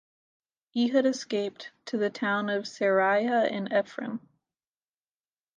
Ehud escaped to the town of Seraiah in Ephraim.